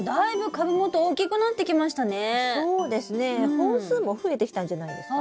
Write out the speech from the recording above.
本数も増えてきたんじゃないですか？